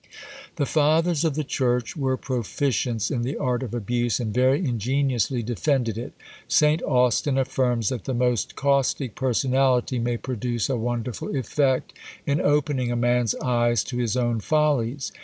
The Fathers of the Church were proficients in the art of abuse, and very ingeniously defended it. St. Austin affirms that the most caustic personality may produce a wonderful effect, in opening a man's eyes to his own follies.